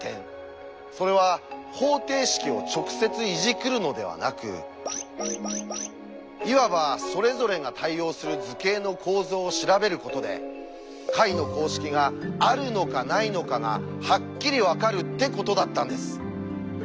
それは方程式を直接いじくるのではなくいわばそれぞれが対応する図形の構造を調べることで解の公式があるのかないのかがハッキリ分かるってことだったんです。